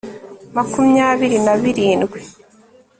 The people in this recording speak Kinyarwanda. ma kumyabiri na birindwi